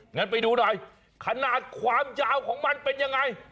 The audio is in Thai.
งั้นไปดูหน่อยขนาดความยาวของมันเป็นยังไง